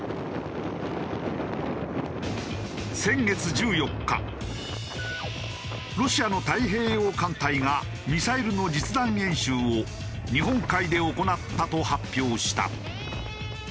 先月１４日ロシアの太平洋艦隊がミサイルの実弾演習を日本海で行ったと発表した。